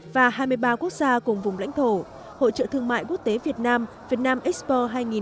và hai mươi ba quốc gia cùng vùng lãnh thổ hội trợ thương mại quốc tế việt nam vietnam expo hai nghìn một mươi bảy